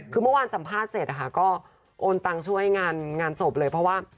คือเมื่อวานสัมภาษณ์เสร็จนะคะก็โอนตังค์ช่วยงานศพเลยเพราะว่า